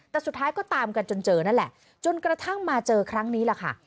แต่สุดท้ายก็ตามกันจนเจอนั่นแหละจนกระทั่งมาเจอครั้งนี้แหละค่ะ